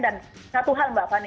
dan satu hal mbak fani